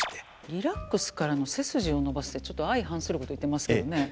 リラックスからの背筋を伸ばすってちょっと相反すること言ってますけどね。